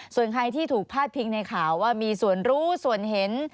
ส่วนใครที่ถูกพาดพิงในข่าวว่ามีส่วนรู้ส่วนเห็น